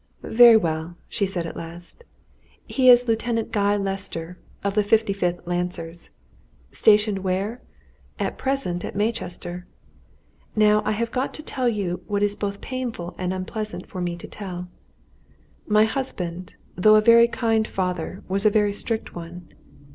"Very well," she said at last. "He is Lieutenant Guy Lester, of the 55th Lancers. Stationed where? At present at Maychester. Now I have got to tell you what is both painful and unpleasant for me to tell. My husband, though a very kind father, was a very strict one.